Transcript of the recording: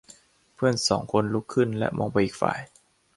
เพื่อนสองคนลุกขึ้นและมองไปอีกฝ่าย